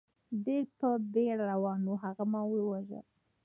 ډېر په بېړه روان و، هغه ما و واژه.